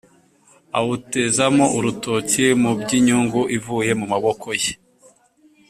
awutezamo urutoki mu by’inyungu ivuye mu maboko ye